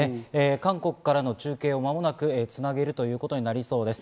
韓国からの中継をつなげるということになりそうです。